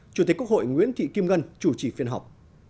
chủ tịch quốc hội nguyễn thị kim ngân chủ trì phiên họp